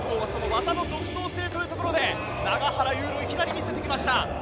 技の独創性というところで永原悠路、いきなり見せてきました。